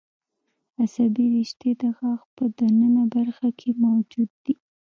عصبي رشتې د غاښ په د ننه برخه کې موجود دي.